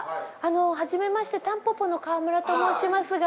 はじめましてたんぽぽの川村と申しますが。